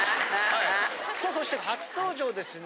さあそして初登場ですね